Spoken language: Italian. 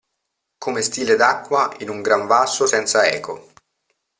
Come stille d'acqua in un gran vaso senza eco.